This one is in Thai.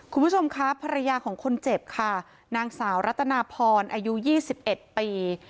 คุณผู้ชมครับภรรยาของคนเจ็บค่ะนางสาวรัตนาพรอายุ๒๑ปี